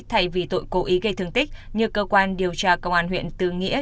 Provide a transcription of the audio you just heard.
thay vì tội cố ý gây thương tích như cơ quan điều tra công an huyện tư nghĩa